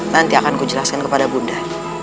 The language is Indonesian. nanti akan kujelaskan kepada bunda